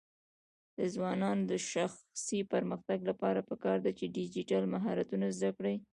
د ځوانانو د شخصي پرمختګ لپاره پکار ده چې ډیجیټل مهارتونه زده کړي.